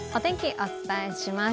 お伝えします。